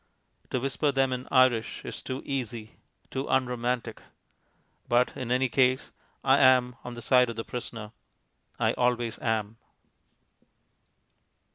To whisper them in Irish is too easy, too unromantic. But in any case I am on the side of the prisoner. I always am.